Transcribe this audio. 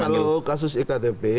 makanya loh kasus iktp